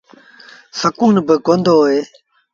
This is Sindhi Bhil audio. سڪون با ڪوندو هوئي۔